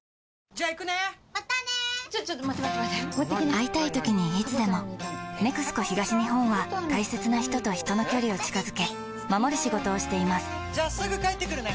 会いたいときにいつでも「ＮＥＸＣＯ東日本」は大切な人と人の距離を近づけ守る仕事をしていますじゃあすぐ帰ってくるね！